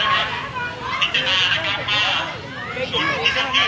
การประตูกรมทหารที่สิบเอ็ดเป็นภาพสดขนาดนี้นะครับ